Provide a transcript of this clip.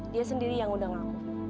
dia sendiri yang udah ngaku